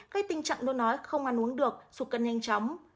gây tình trạng nôn nói không ăn uống được sụp cân nhanh chóng